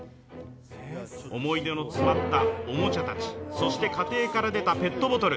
思い出の詰まったおもちゃたち、そして家庭から出たペットボトル。